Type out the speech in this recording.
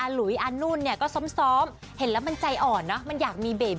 หลุยนั่นนั่นก็ซ้อม